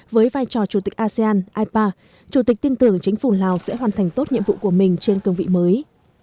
với vai trò chủ tịch asean ipa chủ tịch tin tưởng chính phủ lào sẽ hoàn thành tốt nhiệm vụ của mình trên cương vị mới